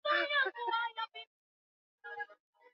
sheria ya hali ya tahadhari ambayo imependekezwa